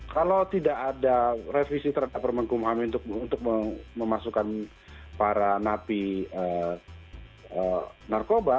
kalau tidak ada revisi terhadap kemenkum ham untuk memasukkan para nafi narkoba